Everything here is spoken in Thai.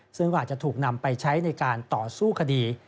ซึ่งก็อาจจะถูกนำไปใช้ในการต่อสู้คดี